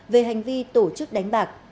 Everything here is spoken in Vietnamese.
về hành vi tổ chức đánh bạc